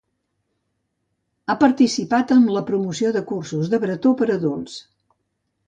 Ha participat en la promoció de cursos de bretó per a adults.